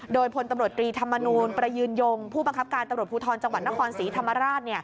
โดยพลตำรวจตรีธรรมนูลประยืนยงผู้บังคับการตำรวจภูทรจังหวัดนครศรีธรรมราช